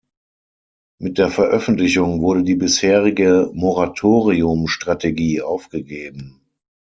Mit der Veröffentlichung wurde die bisherige „Moratorium“-Strategie aufgegeben.